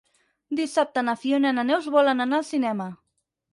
Dissabte na Fiona i na Neus volen anar al cinema.